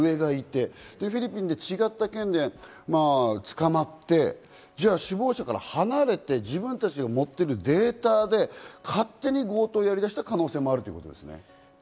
フィリピンで違った件で、捕まって首謀者から離れて自分たちで持っているデータで勝手に強盗をやりだした可能性もあるということですね。